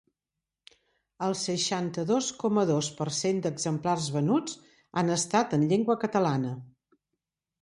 El seixanta-dos coma dos per cent d'exemplars venuts han estat en llengua catalana.